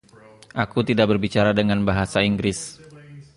Aku tidak berbicara dengan bahasa Inggris.